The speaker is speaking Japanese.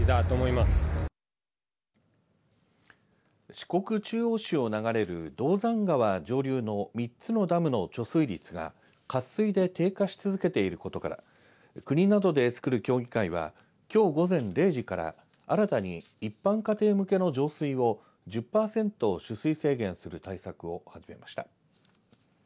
四国中央市を流れる銅山川上流の３つのダムの貯水率が渇水で低下し続けていることから国などでつくる協議会はきょう午前０時から新たに一般家庭向けの上水を１０パーセント取水制限する対策を始めました。